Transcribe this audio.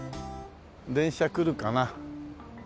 電車来るかな？